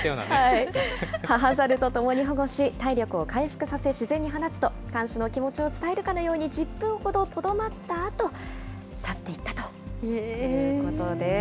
母ザルと共に保護し、体力を回復させ、自然に放つと、感謝の気持ちを伝えるかのように１０分ほどとどまったあと、去っていったということです。